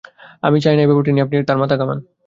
আমি চাই না এ-ব্যাপারটি নিয়ে আপনি আর মাথা ঘামান।